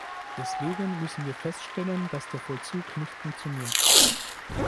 Deswegen müssen wir feststellen, dass der Vollzug nicht funktioniert.